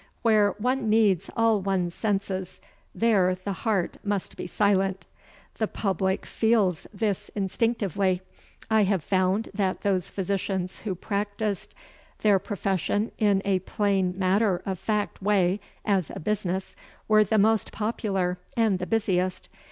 Where one needs all one's senses, there the heart must be silent. The public feels this instinctively. I have found that those physicians who practised their profession in a plain matter of fact way, as a business, were the most popular and the busiest.